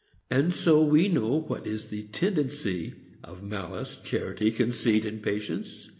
And so we know what is the tendency of malice, charity, conceit, patience.